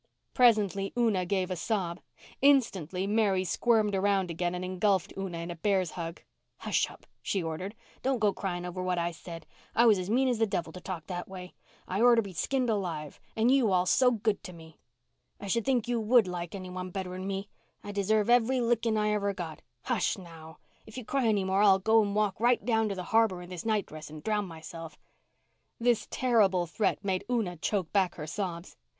Presently Una gave a sob. Instantly Mary squirmed around again and engulfed Una in a bear's hug. "Hush up," she ordered. "Don't go crying over what I said. I was as mean as the devil to talk that way. I orter to be skinned alive—and you all so good to me. I should think you would like any one better'n me. I deserve every licking I ever got. Hush, now. If you cry any more I'll go and walk right down to the harbour in this night dress and drown myself." This terrible threat made Una choke back her sobs.